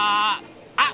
あっ！